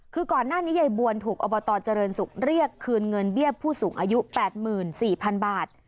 คือก่อนหน้านี้ยายบวนถูกอบตเจริญศุกร์เรียกคืนเงินเบี้ยผู้สูงอายุ๘๔๐๐๐บาท